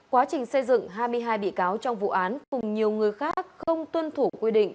quá trình xây dựng hai mươi hai bị cáo trong vụ án cùng nhiều người khác không tuân thủ quy định